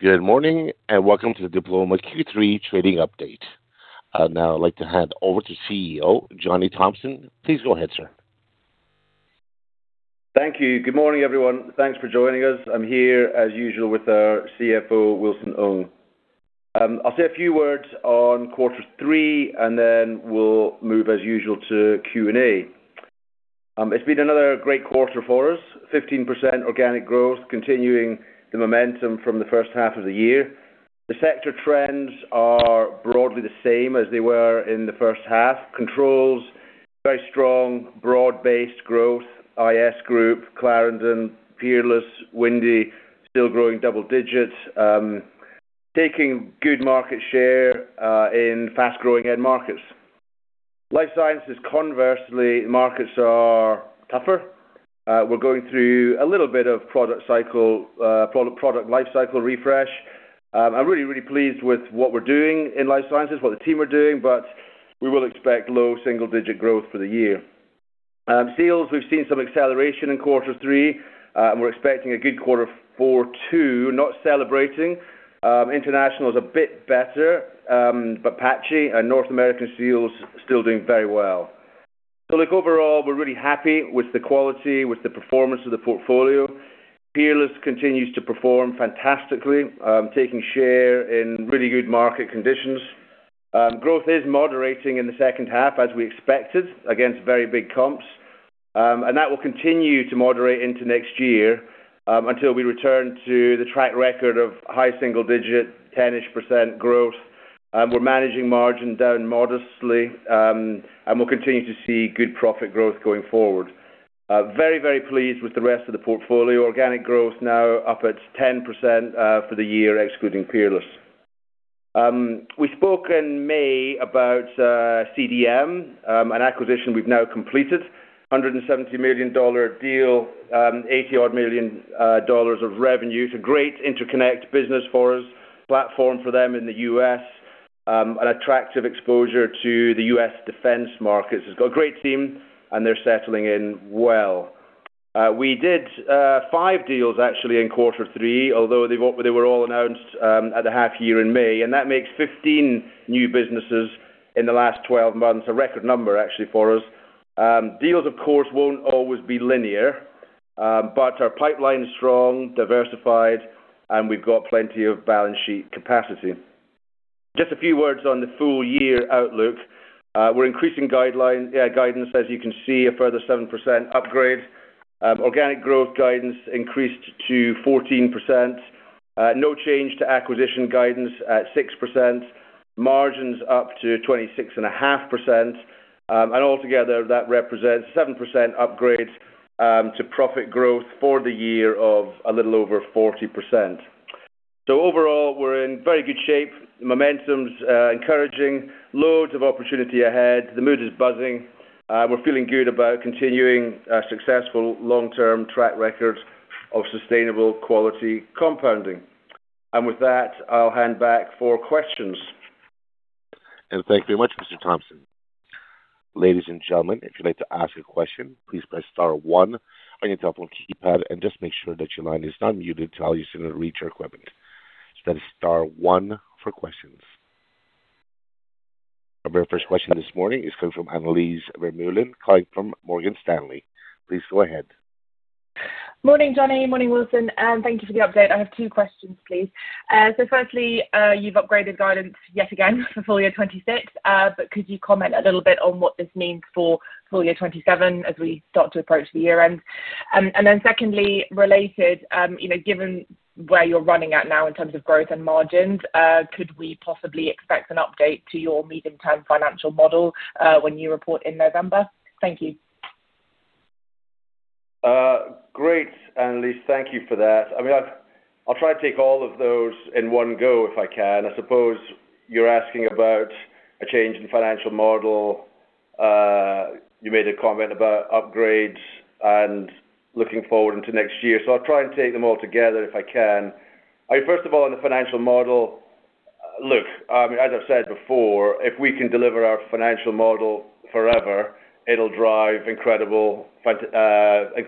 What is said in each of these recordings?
Good morning, welcome to the Diploma Q3 trading update. I'd like to hand over to CEO, Johnny Thomson. Please go ahead, sir. Thank you. Good morning, everyone. Thanks for joining us. I'm here, as usual, with our CFO, Wilson Ng. I'll say a few words on quarter three. Then we'll move, as usual, to Q&A. It's been another great quarter for us, 15% organic growth, continuing the momentum from the first half of the year. The sector trends are broadly the same as they were in the first half. Controls, very strong, broad-based growth, IS-Group, Clarendon, Peerless, Windy still growing double digits, taking good market share in fast-growing end markets. Life sciences, conversely, markets are tougher. We're going through a little bit of product lifecycle refresh. I'm really, really pleased with what we're doing in life sciences, what the team are doing. We will expect low double-digit growth for the year. Seals, we've seen some acceleration in quarter three. We're expecting a good quarter four too, not celebrating. International is a bit better, patchy, North American Seals still doing very well. Look, overall, we're really happy with the quality, with the performance of the portfolio. Peerless continues to perform fantastically, taking share in really good market conditions. Growth is moderating in the second half, as we expected, against very big comps. That will continue to moderate into next year, until we return to the track record of high single digit, 10-ish% growth. We're managing margin down modestly. We'll continue to see good profit growth going forward. Very, very pleased with the rest of the portfolio. Organic growth now up at 10% for the year, excluding Peerless. We spoke in May about CDM, an acquisition we've now completed, $170 million deal, $80 odd million of revenue. It's a great interconnect business for us, platform for them in the U.S., an attractive exposure to the U.S. defense markets. It's got a great team. They're settling in well. We did five deals actually in quarter three, although they were all announced at the half year in May. That makes 15 new businesses in the last 12 months, a record number actually for us. Deals, of course, won't always be linear. Our pipeline is strong, diversified. We've got plenty of balance sheet capacity. Just a few words on the full year outlook. We're increasing guidance, as you can see, a further 7% upgrade. Organic growth guidance increased to 14%. No change to acquisition guidance at 6%. Margins up to 26.5%. Altogether, that represents 7% upgrade to profit growth for the year of a little over 40%. Overall, we're in very good shape. The momentum is encouraging. Loads of opportunity ahead. The mood is buzzing. We're feeling good about continuing our successful long-term track record of sustainable quality compounding. With that, I'll hand back for questions. Thank you very much, Mr. Thomson. Ladies and gentlemen, if you'd like to ask a question, please press star one on your telephone keypad, and just make sure that your line is unmute until you receive your equipment. That is star one for questions. Our very first question this morning is coming from Annelies Vermeulen, calling from Morgan Stanley. Please go ahead. Morning, Johnny. Morning, Wilson, thank you for the update. I have two questions, please. Firstly, you've upgraded guidance yet again for full year 2026, could you comment a little bit on what this means for full year 2027 as we start to approach the year end? Secondly, related, given where you're running at now in terms of growth and margins, could we possibly expect an update to your medium-term financial model when you report in November? Thank you. Great, Annelies. Thank you for that. I'll try to take all of those in one go if I can. I suppose you're asking about a change in financial model. You made a comment about upgrades and looking forward into next year. I'll try and take them all together if I can. First of all, on the financial model, look, as I've said before, if we can deliver our financial model forever, it'll drive incredible shareholder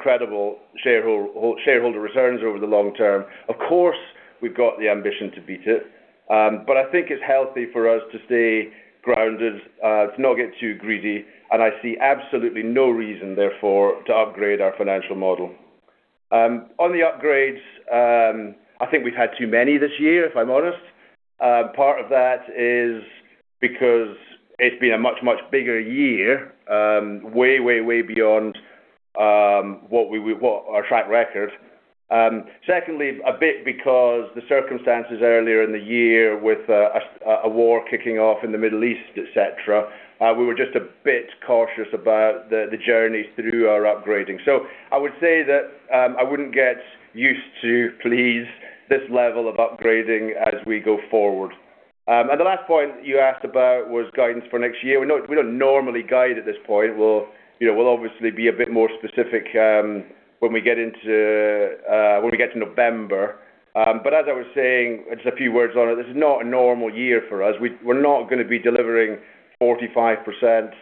returns over the long term. Of course, we've got the ambition to beat it, I think it's healthy for us to stay grounded, to not get too greedy, I see absolutely no reason, therefore, to upgrade our financial model. On the upgrades, I think we've had too many this year, if I'm honest. Part of that is because it's been a much bigger year, way beyond our track record. Secondly, a bit because the circumstances earlier in the year with a war kicking off in the Middle East, et cetera, we were just a bit cautious about the journey through our upgrading. I would say that I wouldn't get used to, please, this level of upgrading as we go forward. The last point that you asked about was guidance for next year. We don't normally guide at this point. We'll obviously be a bit more specific when we get to November. As I was saying, just a few words on it, this is not a normal year for us. We're not going to be delivering 45%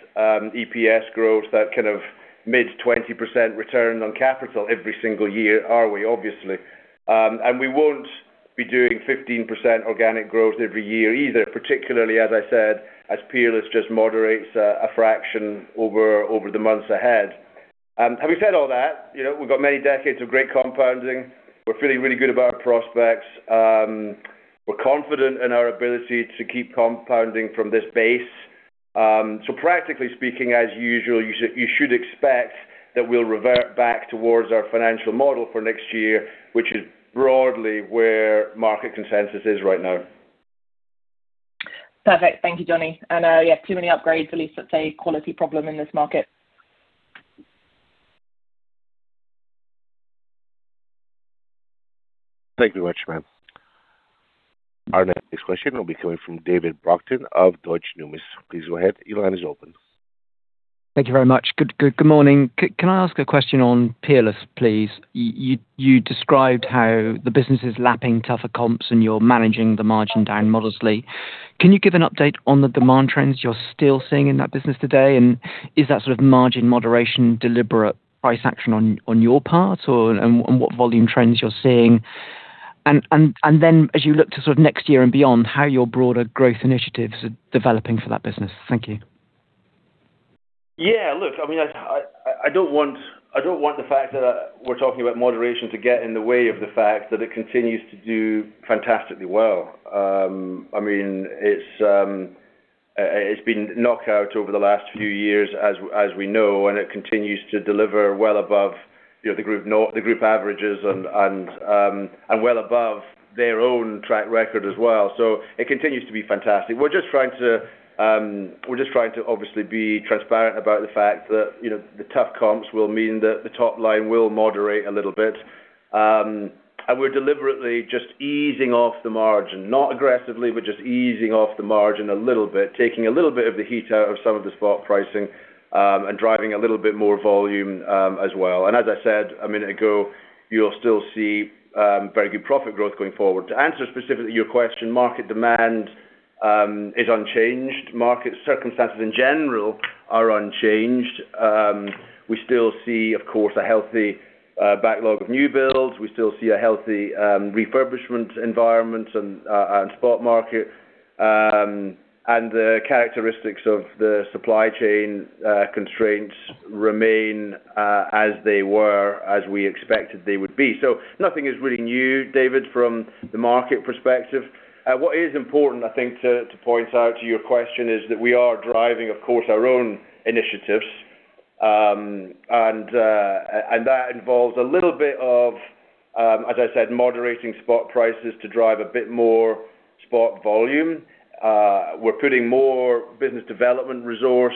EPS growth, that kind of mid-20% return on capital every single year, are we? Obviously. We won't be doing 15% organic growth every year either, particularly, as I said, as Peerless just moderates a fraction over the months ahead. Having said all that, we've got many decades of great compounding. We're feeling really good about our prospects. We're confident in our ability to keep compounding from this base. Practically speaking, as usual, you should expect that we'll revert back towards our financial model for next year, which is broadly where market consensus is right now. Perfect. Thank you, Johnny. Yeah, too many upgrades, at least that's a quality problem in this market. Thank you very much, ma'am. Our next question will be coming from David Brockton of Deutsche Numis. Please go ahead. Your line is open. Thank you very much. Good morning. Can I ask a question on Peerless, please? You described how the business is lapping tougher comps and you're managing the margin down modestly. Can you give an update on the demand trends you're still seeing in that business today? Is that sort of margin moderation deliberate price action on your part, and what volume trends you're seeing? As you look to sort of next year and beyond, how your broader growth initiatives are developing for that business. Thank you. Yeah, look, I don't want the fact that we're talking about moderation to get in the way of the fact that it continues to do fantastically well. It's been knockout over the last few years, as we know, and it continues to deliver well above the group averages and well above their own track record as well. It continues to be fantastic. We're just trying to obviously be transparent about the fact that the tough comps will mean that the top line will moderate a little bit. We're deliberately just easing off the margin, not aggressively, but just easing off the margin a little bit, taking a little bit of the heat out of some of the spot pricing, and driving a little bit more volume, as well. As I said a minute ago, you'll still see very good profit growth going forward. To answer specifically your question, market demand is unchanged. Market circumstances in general are unchanged. We still see, of course, a healthy backlog of new builds. We still see a healthy refurbishment environment and spot market. The characteristics of the supply chain constraints remain as they were, as we expected they would be. Nothing is really new, David, from the market perspective. What is important, I think, to point out to your question is that we are driving, of course, our own initiatives. That involves a little bit of, as I said, moderating spot prices to drive a bit more spot volume. We're putting more business development resource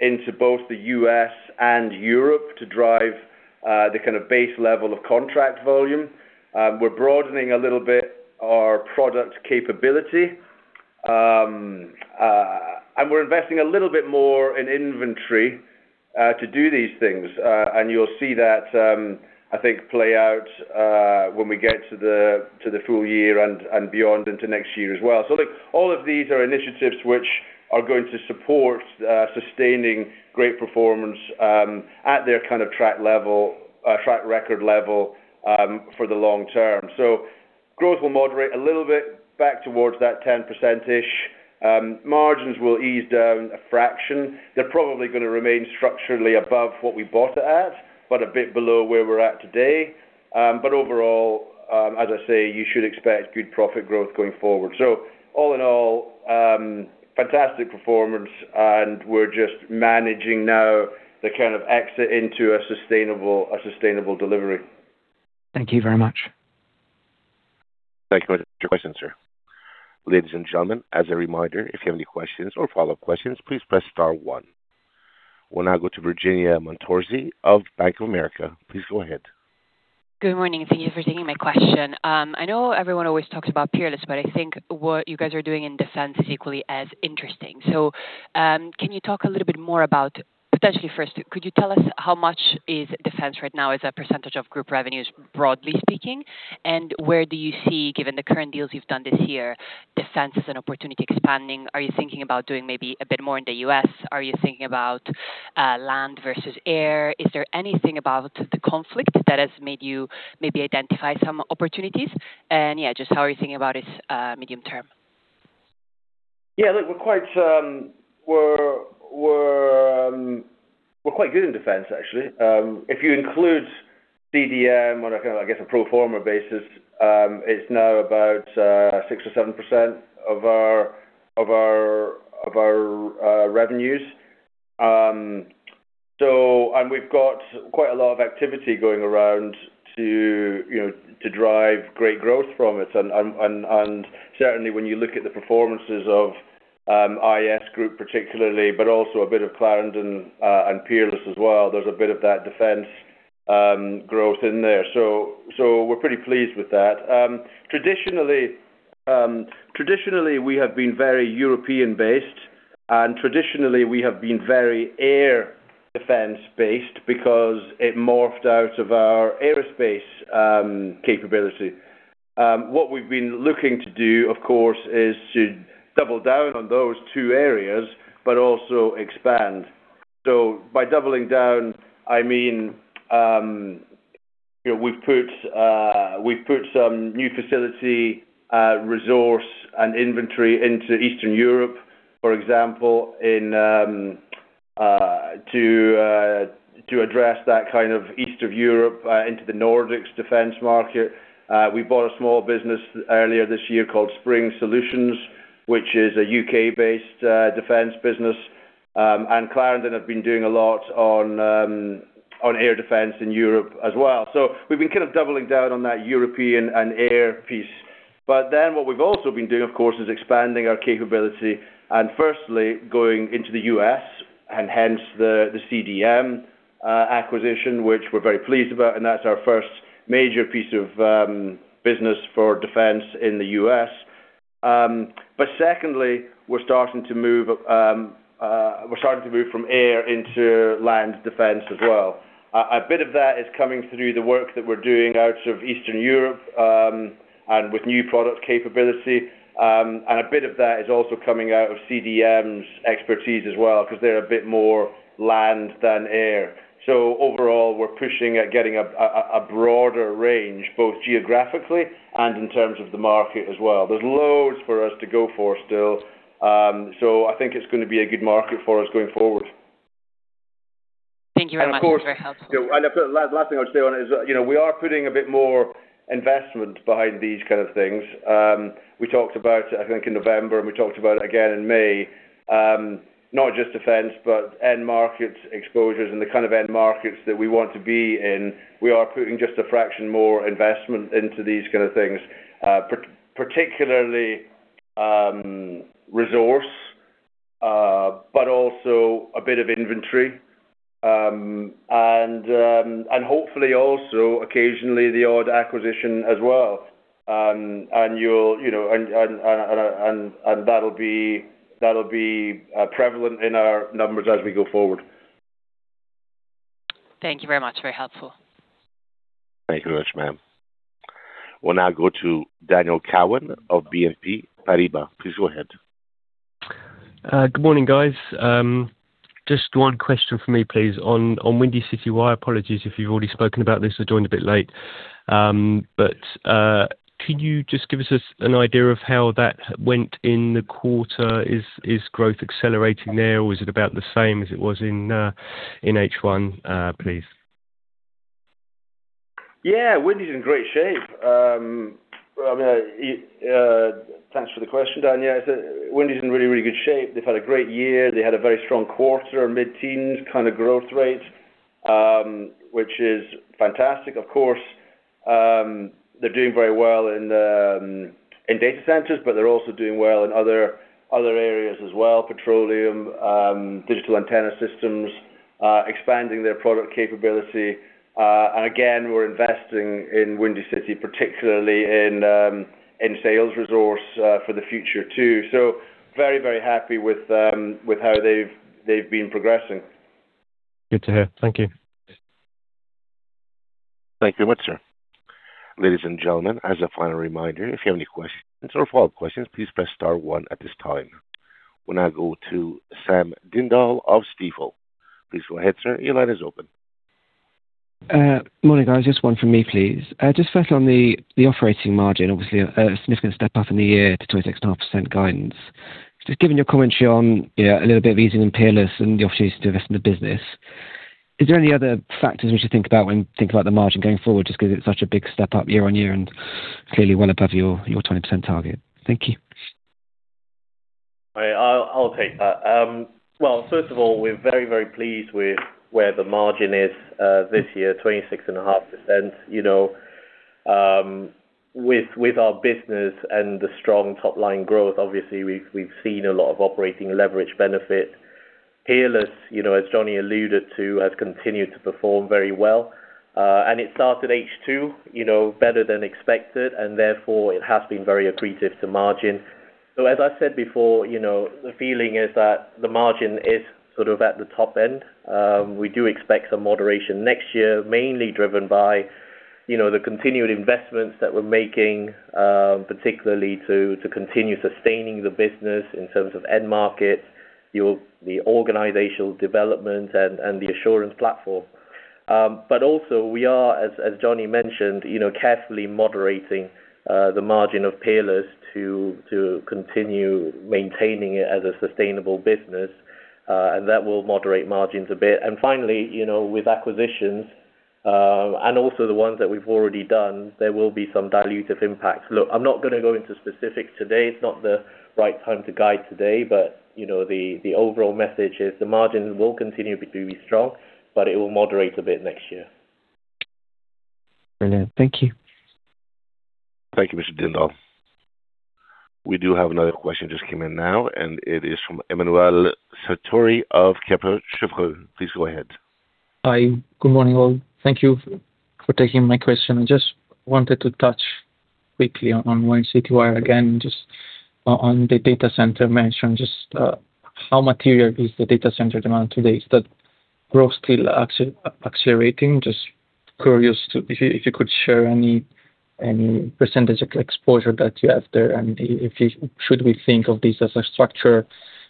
into both the U.S. and Europe to drive the kind of base level of contract volume. We're broadening a little bit our product capability. We're investing a little bit more in inventory to do these things. You'll see that, I think, play out when we get to the full year and beyond into next year as well. Look, all of these are initiatives which are going to support sustaining great performance at their kind of track record level for the long term. Growth will moderate a little bit back towards that 10%-ish. Margins will ease down a fraction. They're probably going to remain structurally above what we bought it at, but a bit below where we're at today. Overall, as I say, you should expect good profit growth going forward. All in all, fantastic performance, and we're just managing now the kind of exit into a sustainable delivery. Thank you very much. Thank you for your question, sir. Ladies and gentlemen, as a reminder, if you have any questions or follow-up questions, please press star one. We'll now go to Virginia Montorsi of Bank of America. Please go ahead. Good morning. Thank you for taking my question. I know everyone always talks about Peerless, but I think what you guys are doing in defense is equally as interesting. Can you talk a little bit more about potentially first, could you tell us how much is defense right now as a percentage of group revenues, broadly speaking? Where do you see, given the current deals you've done this year, defense as an opportunity expanding? Are you thinking about doing maybe a bit more in the U.S.? Are you thinking about land versus air? Is there anything about the conflict that has made you maybe identify some opportunities? Yeah, just how are you thinking about it medium term? Yeah, look, we're quite good in defense, actually. If you include CDM on I guess a pro forma basis, it's now about 6% or 7% of our revenues. We've got quite a lot of activity going around to drive great growth from it. Certainly when you look at the performances of IS-Group particularly, but also a bit of Clarendon and Peerless as well, there's a bit of that defense growth in there. We're pretty pleased with that. Traditionally, we have been very European based. Traditionally we have been very air defense based because it morphed out of our aerospace capability. What we've been looking to do, of course, is to double down on those two areas, but also expand. By doubling down, I mean, we've put some new facility, resource, and inventory into Eastern Europe, for example, to address that kind of East of Europe into the Nordics defense market. We bought a small business earlier this year called Spring Solutions, which is a U.K.-based defense business. Clarendon have been doing a lot on air defense in Europe as well. We've been kind of doubling down on that European and air piece. What we've also been doing, of course, is expanding our capability and firstly going into the U.S. and hence the CDM acquisition, which we're very pleased about, and that's our first major piece of business for defense in the U.S. Secondly, we're starting to move from air into land defense as well. A bit of that is coming through the work that we're doing out of Eastern Europe, and with new product capability. A bit of that is also coming out of CDM's expertise as well, because they're a bit more land than air. Overall, we're pushing at getting a broader range, both geographically and in terms of the market as well. There's loads for us to go for still. I think it's going to be a good market for us going forward. Thank you very much. Very helpful. The last thing I'll say on it is, we are putting a bit more investment behind these kind of things. We talked about, I think in November, and we talked about it again in May, not just defense, but end market exposures and the kind of end markets that we want to be in. We are putting just a fraction more investment into these kind of things, particularly resource, but also a bit of inventory, and hopefully also occasionally the odd acquisition as well. That'll be prevalent in our numbers as we go forward. Thank you very much. Very helpful. Thank you very much, ma'am. We'll now go to Daniel Cowan of BNP Paribas. Please go ahead. Good morning, guys. Just one question from me, please, on Windy City Wire. Apologies if you've already spoken about this, I joined a bit late. Can you just give us an idea of how that went in the quarter? Is growth accelerating there, or is it about the same as it was in H1, please? Yeah. Windy's in great shape. Thanks for the question, Daniel. Windy's in really, really good shape. They've had a great year. They had a very strong quarter, mid-teens kind of growth rate, which is fantastic. Of course, they're doing very well in data centers, but they're also doing well in other areas as well, petroleum, digital antenna systems, expanding their product capability. We're investing in Windy City, particularly in sales resource for the future too. Very, very happy with how they've been progressing. Good to hear. Thank you. Thank you very much, sir. Ladies and gentlemen, as a final reminder, if you have any questions or follow-up questions, please press star one at this time. We'll now go to Sam Dindol of Stifel. Please go ahead, sir. Your line is open. Morning, guys. Just one from me, please. Just first on the operating margin, obviously, a significant step up in the year to 26.5% guidance. Just given your commentary on a little bit of easing in Peerless and the opportunities to invest in the business, is there any other factors we should think about when thinking about the margin going forward, just because it's such a big step up year-on-year and clearly well above your 20% target? Thank you. I'll take that. Well, first of all, we're very, very pleased with where the margin is this year, 26.5%. With our business and the strong top-line growth, obviously we've seen a lot of operating leverage benefit. Peerless, as Johnny alluded to, has continued to perform very well. It started H2 better than expected, and therefore it has been very accretive to margin. As I've said before, the feeling is that the margin is sort of at the top end. We do expect some moderation next year, mainly driven by the continued investments that we're making, particularly to continue sustaining the business in terms of end market, the organizational development, and the assurance platform. Also we are, as Johnny mentioned, carefully moderating the margin of Peerless to continue maintaining it as a sustainable business, and that will moderate margins a bit. Finally, with acquisitions, and also the ones that we've already done, there will be some dilutive impact. Look, I'm not going to go into specifics today. It's not the right time to guide today. The overall message is the margins will continue to be strong, but it will moderate a bit next year. Brilliant. Thank you. Thank you, Mr. Dindol. We do have another question just came in now. It is from Emanuele Sartori of Kepler Cheuvreux. Please go ahead. Hi. Good morning, all. Thank you for taking my question. I just wanted to touch quickly on Windy City Wire again, just on the data center mention, just how material is the data center demand today? Is the growth still accelerating? Just curious if you could share any percentage of exposure that you have there, and should we think of this as a structural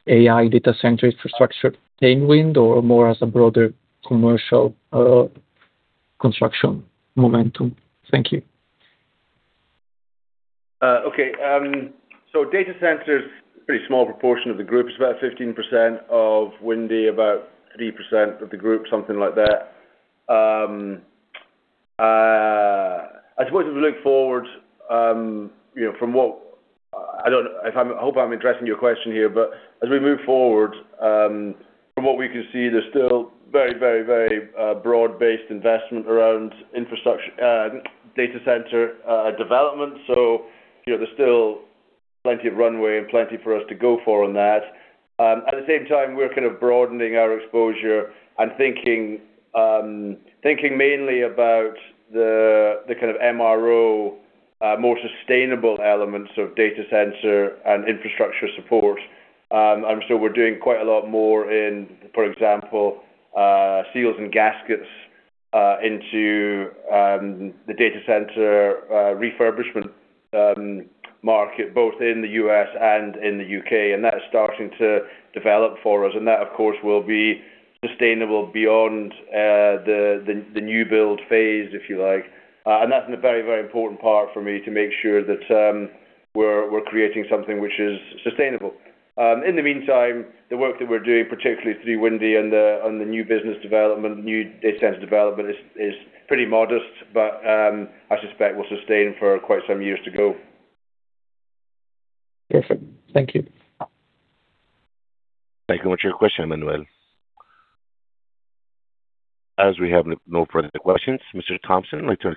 AI data center infrastructure tailwind, or more as a broader commercial construction momentum? Thank you. Okay. Data center is a pretty small proportion of the group. It's about 15% of Windy, about 3% of the group, something like that. I suppose, as we look forward from what I hope I'm addressing your question here, but as we move forward, from what we can see, there's still very broad-based investment around data center development. There's still plenty of runway and plenty for us to go for on that. At the same time, we're kind of broadening our exposure and thinking mainly about the kind of MRO, more sustainable elements of data center and infrastructure support. We're doing quite a lot more in, for example, seals and gaskets into the data center refurbishment market, both in the U.S. and in the U.K. That is starting to develop for us, and that, of course, will be sustainable beyond the new build phase, if you like. That's a very important part for me to make sure that we're creating something which is sustainable. In the meantime, the work that we're doing, particularly through Windy and the new business development, new data center development, is pretty modest, but I suspect will sustain for quite some years to go. Perfect. Thank you. Thank you very much for your question, Emanuele. As we have no further questions, Mr. Thomson, I'd like to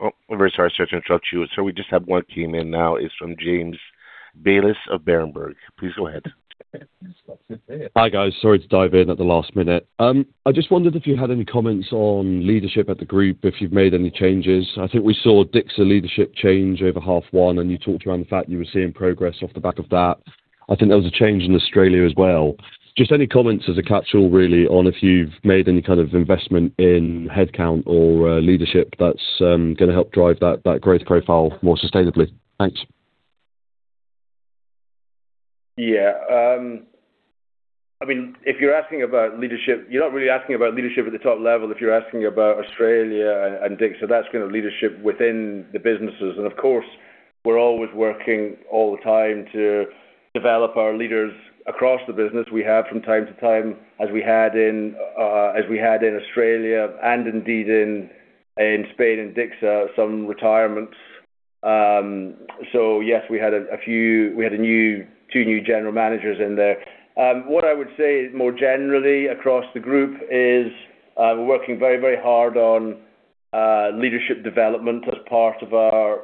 oh, I'm very sorry, sir, to interrupt you. Sir, we just have one that came in now. It's from James Bayliss of Berenberg. Please go ahead. Hi, guys. Sorry to dive in at the last minute. I just wondered if you had any comments on leadership at the group, if you've made any changes. I think we saw DICSA leadership change over half one. You talked around the fact you were seeing progress off the back of that. I think there was a change in Australia as well. Just any comments as a catchall, really, on if you've made any kind of investment in headcount or leadership that's going to help drive that growth profile more sustainably. Thanks. Yeah. If you're asking about leadership, you're not really asking about leadership at the top level if you're asking about Australia and DICSA. That's kind of leadership within the businesses. Of course, we're always working all the time to develop our leaders across the business. We have from time to time, as we had in Australia and indeed in Spain and DICSA, some retirements. Yes, we had two new general managers in there. What I would say more generally across the group is we're working very hard on leadership development as part of our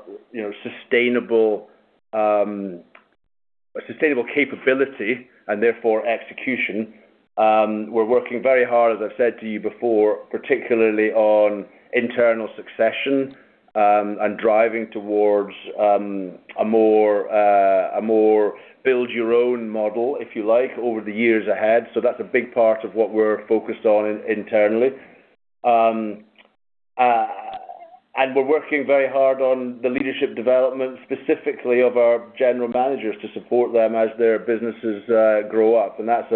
sustainable capability and therefore execution. We're working very hard, as I've said to you before, particularly on internal succession, and driving towards a more build your own model, if you like, over the years ahead. That's a big part of what we're focused on internally. We're working very hard on the leadership development specifically of our general managers to support them as their businesses grow up. That's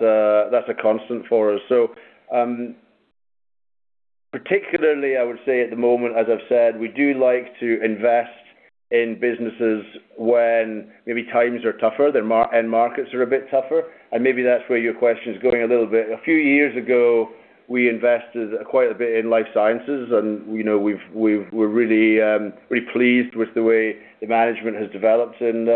a constant for us. Particularly I would say at the moment, as I've said, we do like to invest in businesses when maybe times are tougher, end markets are a bit tougher, and maybe that's where your question is going a little bit. A few years ago, we invested quite a bit in life sciences, and we're really pleased with the way the management has developed in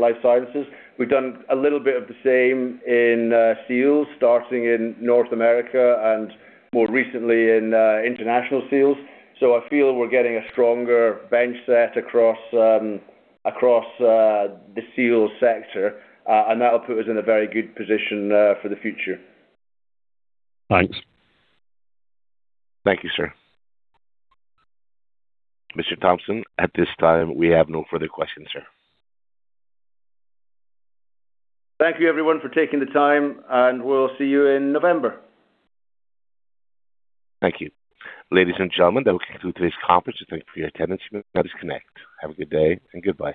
life sciences. We've done a little bit of the same in Seals, starting in North America and more recently in international Seals. I feel we're getting a stronger bench set across the Seals sector, and that will put us in a very good position for the future. Thanks. Thank you, sir. Mr. Thomson, at this time, we have no further questions, sir. Thank you, everyone, for taking the time, and we'll see you in November. Thank you. Ladies and gentlemen, that will conclude today's conference, and thank you for your attendance. You may disconnect. Have a good day and goodbye.